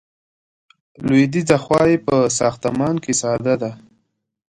لویدیځه خوا یې په ساختمان کې ساده ده.